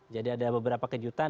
jadi ada beberapa kejutan